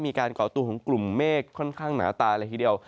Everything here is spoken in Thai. ก่อตัวของกลุ่มเมฆค่อนข้างหนาตาเลยทีเดียว